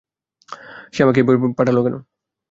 সে আমাকে এই বই পাঠালো কেন?